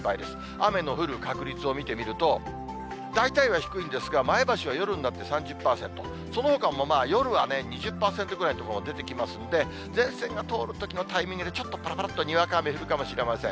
雨の降る確率を見てみると、大体は低いんですが、前橋は夜になって３０％、そのほかも夜はね、２０％ぐらいの所も出てきますんで、前線が通るときのタイミングで、ちょっとぱらぱらっとにわか雨降るかもしれません。